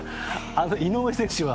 井上選手は？